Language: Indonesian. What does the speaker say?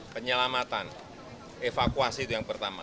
penyelamatan evakuasi itu yang pertama